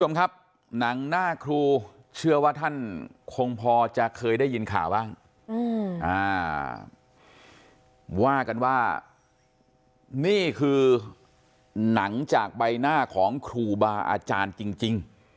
คุณผู้ชมครับหนังหน้าครูเชื่อว่าท่านคงพอจะเคยได้ยินข่าวบ้างว่ากันว่านี่คือหนังจากใบหน้าของครูบาอาจารย์จริง